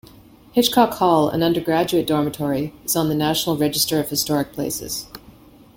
Hitchcock Hall, an undergraduate dormitory, is on the National Register of Historic Places.